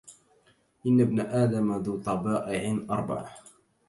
إن ابن آدم ذو طبائع أربع